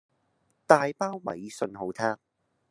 大包米訊號塔